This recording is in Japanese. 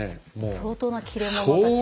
相当な切れ者たちが。